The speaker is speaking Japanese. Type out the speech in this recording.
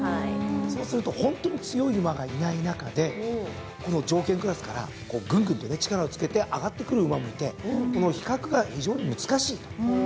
そうするとホントに強い馬がいない中でこの条件クラスからグングンと力を付けて上がってくる馬もいてこの比較が非常に難しい。